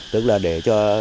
tức là để cho